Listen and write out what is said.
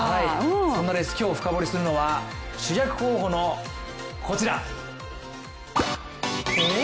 そんなレース、今日深掘りするのは主役候補のこちら。